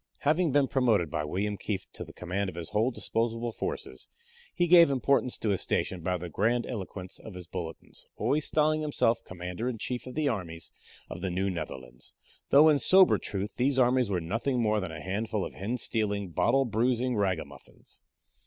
Having been promoted by William Kieft to the command of his whole disposable forces, he gave importance to his station by the grandiloquence of his bulletins, always styling himself Commander in Chief of the Armies of the New Netherlands, though in sober truth these armies were nothing more than a handful of hen stealing, bottle bruising ragamuffins.